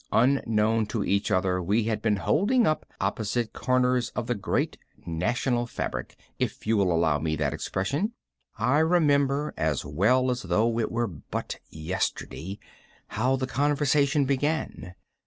Unknown to each other, we had been holding up opposite corners of the great national fabric, if you will allow me that expression. I remember, as well as though it were but yesterday, how the conversation began.